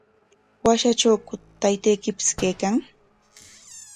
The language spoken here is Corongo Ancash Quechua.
¿Washatrawku taytaykipis kaykan?